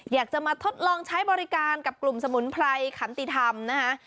อยากจะมาทดลองใช้บริการกับกลุ่มสมุนไพรขันติธรรมนะฮะ